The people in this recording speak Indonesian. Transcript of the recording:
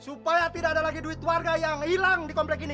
supaya tidak ada lagi duit warga yang hilang di komplek ini